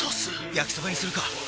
焼きそばにするか！